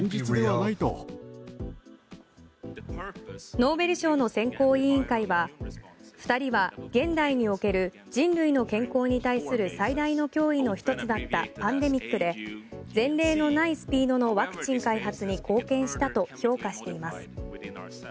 ノーベル賞の選考委員会は２人は現代における人類の健康に対する最大の脅威の一つだったパンデミックで前例のないスピードのワクチン開発に貢献したと評価しています。